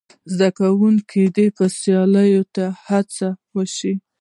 زدهکوونکي دې ادبي سیالیو ته وهڅول سي.